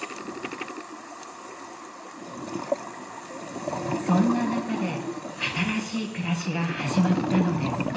そんな中で新しい暮らしが始まったのです。